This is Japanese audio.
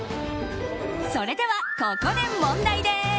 それでは、ここで問題です。